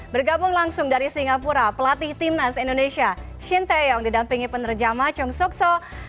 bergabung langsung dari singapura pelatih timnas indonesia shin taeyong didampingi penerja macong sok so